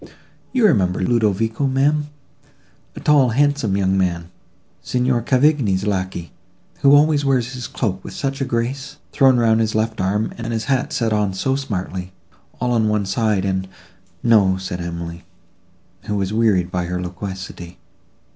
You remember Ludovico, ma'am—a tall, handsome young man—Signor Cavigni's lacquey—who always wears his cloak with such a grace, thrown round his left arm, and his hat set on so smartly, all on one side, and—" "No," said Emily, who was wearied by her loquacity.